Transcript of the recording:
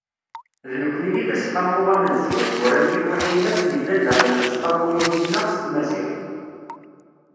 D nekkni i d Aseqqamu amenzu i yuran tilwiḥin akk yellan daxel n Useqqamu-agi-nneɣ s tmaziɣt.